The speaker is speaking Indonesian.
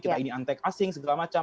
kita ini antek asing segala macam